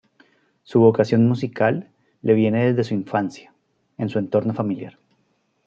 Su vocación musical le viene desde su infancia, en su entorno familiar.